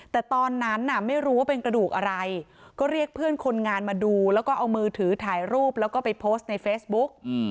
แต่ตอนนั้นน่ะไม่รู้ว่าเป็นกระดูกอะไรก็เรียกเพื่อนคนงานมาดูแล้วก็เอามือถือถ่ายรูปแล้วก็ไปโพสต์ในเฟซบุ๊ก